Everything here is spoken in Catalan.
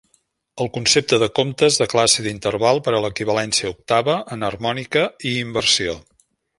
El concepte de comptes de classe d'interval per a l'equivalència octava, enharmònica i inversió.